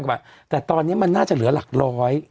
กว่าบาทแต่ตอนนี้มันน่าจะเหลือหลักร้อย